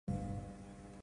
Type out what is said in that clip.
No audio